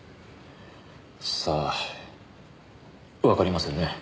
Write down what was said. さあわかりませんね。